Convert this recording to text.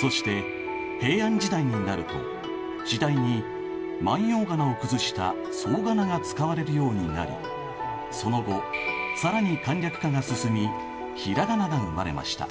そして平安時代になると次第に万葉仮名を崩した草仮名が使われるようになりその後更に簡略化が進みひらがなが生まれました。